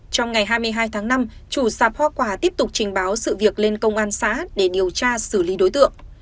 trong ngày hai mươi hai tháng năm chủ sạp hoa quả tiếp tục trình báo sự việc lên công an xã để điều tra xử lý đối tượng